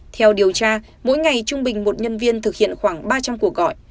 theo điều tra mỗi ngày trung bình một nhân viên thực hiện khoảng ba trăm linh cuộc gọi